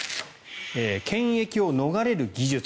検閲を逃れる技術。